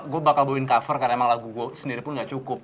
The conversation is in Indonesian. gue bakal bawain cover karena emang lagu gue sendiri pun gak cukup